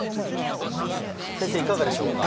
先生いかがでしょうか？